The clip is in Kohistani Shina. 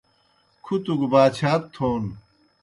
کُھتوْ گہ باچھات تھون